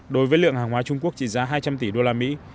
đối với lượng hàng hóa trung quốc trị giá hai trăm linh tỷ đô la mỹ